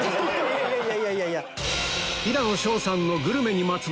いやいやいやいや。